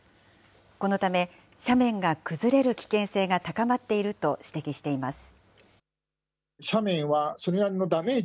このため、斜面が崩れる危険性が高まっていると指摘しています。